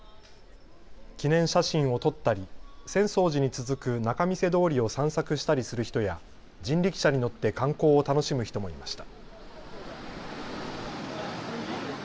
記念写真を撮ったり浅草寺に続く仲見世通りを散策したりする人や人力車に乗って観光を楽しむ人もいました。